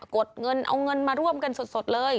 ดเงินเอาเงินมาร่วมกันสดเลย